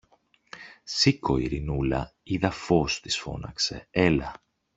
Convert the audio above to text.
Σήκω, Ειρηνούλα, είδα φως, της φώναξε. Έλα!